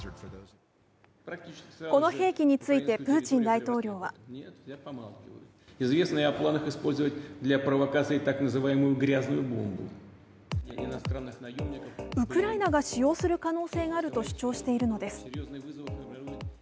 この兵器についてプーチン大統領はウクライナが使用する可能性があると主張しているのです。